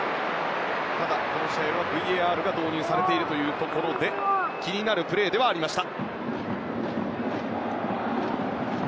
この試合はＶＡＲが導入されているということで気になるプレーではありました。